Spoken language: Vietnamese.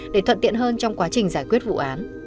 để thuận tiện hơn trong quá trình giải quyết vụ án